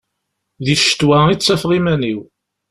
Di ccetwa i ttafeɣ iman-iw.